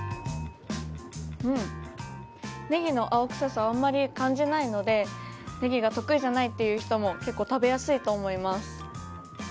ねぎの青臭さがあまり感じないのでネギが得意じゃないっていう人も結構食べやすいと思います。